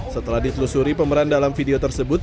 setelah ditelusuri pemeran dalam video tersebut